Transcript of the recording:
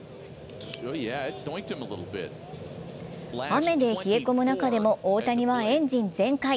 雨で冷え込む中でも大谷はエンジン全開。